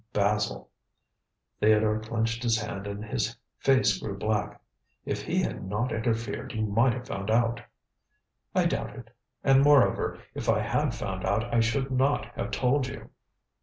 "Basil." Theodore clenched his hand and his face grew black. "If he had not interfered, you might have found out." "I doubt it; and, moreover, if I had found out, I should not have told you."